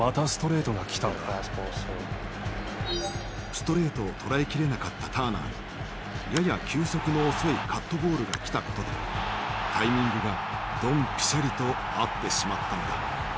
ストレートを捉えきれなかったターナーにやや球速の遅いカットボールがきた事でタイミングがどんぴしゃりと合ってしまったのだ。